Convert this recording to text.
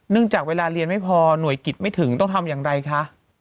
จากเวลาเรียนไม่พอหน่วยกิจไม่ถึงต้องทำอย่างไรคะ